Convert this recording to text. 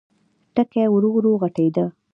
ټکی ورو، ورو غټېده.